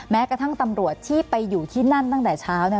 แม้กระทั่งตำรวจที่ไปอยู่ที่นั่นตั้งแต่เช้า